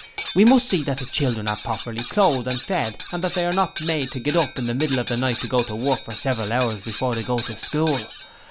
We must see that the children are properly clothed and fed and that they are not made to get up in the middle of the night to go to work for several hours before they go to school.